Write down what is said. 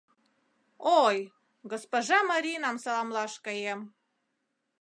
Ой, госпожа Маринам саламлаш каем.